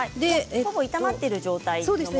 ほぼ炒まっている状態ですね。